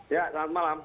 ya selamat malam